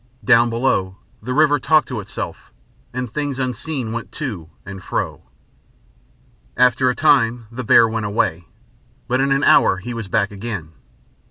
Down below, the river talked to itself, and things unseen went to and fro. After a time the bear went away, but in an hour he was back again.